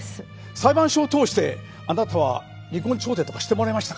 裁判所を通してあなたは離婚調停とかしてもらいましたか？